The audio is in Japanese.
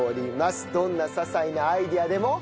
どんな些細なアイデアでも。